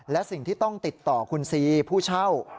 และสิ่งที่ต้องติดต่อคุณซีผู้เช่า